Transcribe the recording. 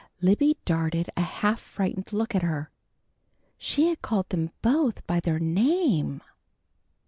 Libby darted a half frightened look at her. She had called them both by name!